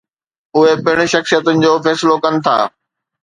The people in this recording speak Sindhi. اهي پڻ شخصيتن جو فيصلو ڪن ٿا.